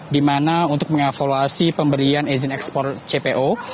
dimana untuk mengevaluasi pemberian izin ekspor cpo